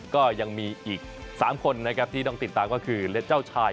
ก็ยังมีอีก๓คนที่ต้องติดตามก็คือ